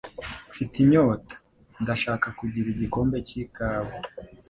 Mfite inyota. Ndashaka kugira igikombe cy'ikawa.